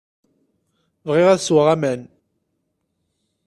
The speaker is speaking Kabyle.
Bɣiɣ ad sweɣ aman.